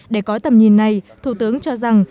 để có tầm nhìn này thủ tướng cho rằng